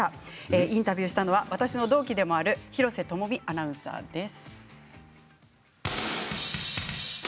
インタビューしたのは私の同期でもある廣瀬智美アナウンサーです。